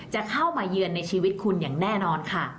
จะเข้ามาเยือนในชีวิตคุณอย่างแน่นอนค่ะ